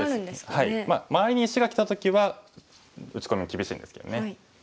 周りに石がきた時は打ち込みも厳しいんですけどね。